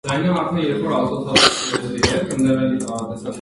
Էլեկտրոնային ընթերցիչը համարում են պլանշետային համակարգիչների տարատեսակ։